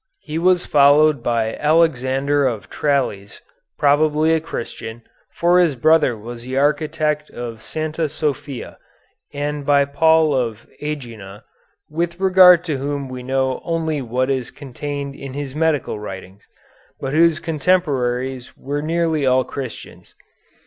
He was followed by Alexander of Tralles, probably a Christian, for his brother was the architect of Santa Sophia, and by Paul of Ægina, with regard to whom we know only what is contained in his medical writings, but whose contemporaries were nearly all Christians.